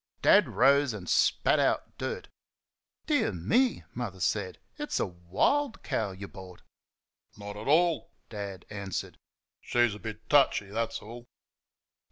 Dad rose and spat out dirt. "Dear me!" Mother said, "it's a WILD cow y' bought." "Not at all," Dad answered; "she's a bit touchy, that's all."